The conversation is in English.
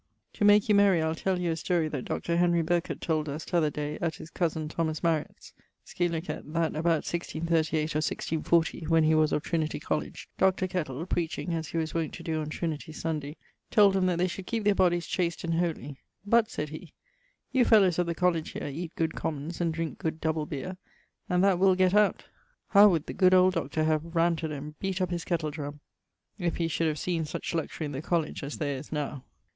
To make you merry I'le tell you a story that Dr. Henry Birket told us tother day at his cosen Mariet's, scilicet that about 1638 or 1640 when he was of Trinity College, Dr. Kettle, preaching as he was wont to doe on Trinity Sunday, told 'em that they should keepe their bodies chast and holy: 'but,' said he, 'you fellows of the College here eate good commons and drinke good double beer ... and that will gett out.' How would the good old Dr. have raunted and beat up his kettle drum, if he should have seen such luxury in the College as there is now!